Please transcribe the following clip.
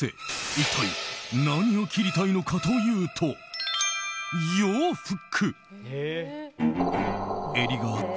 一体何を切りたいのかというと洋服。